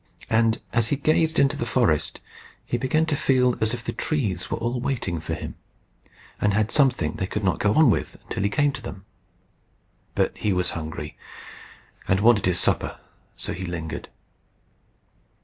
And as he gazed into the forest he began to feel as if the trees were all waiting for him, and had something they could not go on with till he came to them. But he was hungry, and wanted his supper. So he lingered.